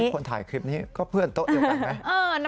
คนถ่ายคลิปนี้ก็เพื่อนโต๊ะเดียวกันไหม